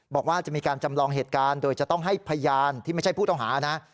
บอกว่าจะมีการจำลองเหตุการณ์โดยจะต้องให้พยานที่ไม่ใช่ผู้ต้องหานะ